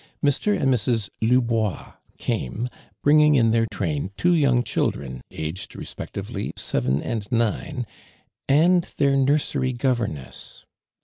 Mr. and Mrs. Lubois came, bring ing in their tmin two young children, ag^ respectively seven and nine, and their nur sery governess.